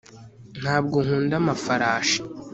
ntabwo nkunda amafarashi